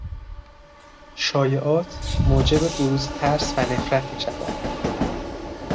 شایعات موجب بروز ترس و نفرت میشود.